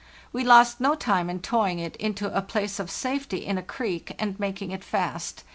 We lost no time in towing it into a place of safety in a creek and making it fast.